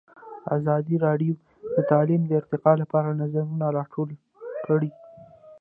ازادي راډیو د تعلیم د ارتقا لپاره نظرونه راټول کړي.